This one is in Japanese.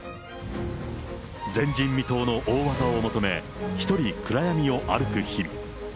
前人未到の大技を求め、一人、暗闇を歩く日々。